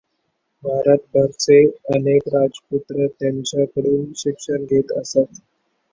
भारतभरचे अनेक राजपुत्र त्यांच्याकडून शिक्षण घेत असत.